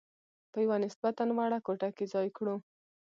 په یوه نسبتاً وړه کوټه کې ځای کړو.